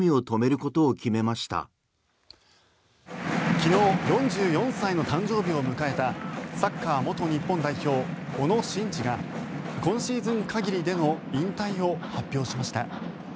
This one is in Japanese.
昨日４４歳の誕生日を迎えたサッカー元日本代表、小野伸二が今シーズン限りでの引退を発表しました。